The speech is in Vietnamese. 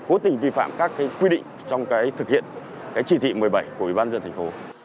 cố tình vi phạm các quy định trong thực hiện chỉ thị một mươi bảy của ubnd tp